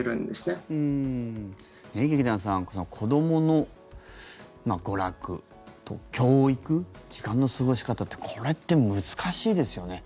ねえ、劇団さん子どもの娯楽と教育時間の過ごし方ってこれって難しいですよね。